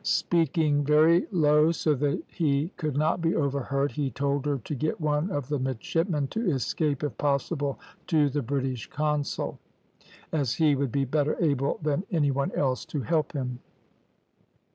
"Speaking very low, so that he could not be overheard, he told her to get one of the midshipmen to escape if possible to the British Consul, as he would be better able than any one else to help him.